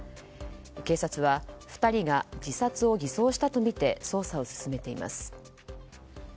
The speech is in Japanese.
警察は２人が自殺を偽装したとみて捜査を進めています。